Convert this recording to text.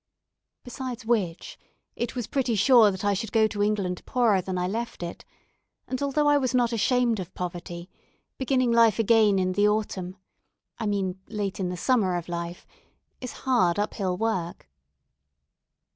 Besides which, it was pretty sure that I should go to England poorer than I left it, and although I was not ashamed of poverty, beginning life again in the autumn I mean late in the summer of life is hard up hill work.